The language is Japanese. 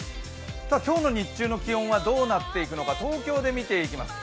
今日の日中の気温はどうなっていくのか、東京で見ていきます。